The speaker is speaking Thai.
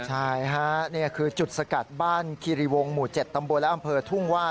ใช่ค่ะนี่คือจุดสกัดบ้านคิริวงหมู่๗ตำบลและอำเภอทุ่งว่า